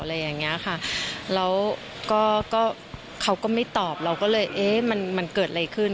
แล้วก็เขาก็ไม่ตอบเราก็เลยมันเกิดอะไรขึ้น